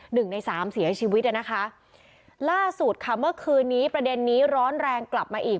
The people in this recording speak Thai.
หนึ่งในสามเสียชีวิตอ่ะนะคะล่าสุดค่ะเมื่อคืนนี้ประเด็นนี้ร้อนแรงกลับมาอีก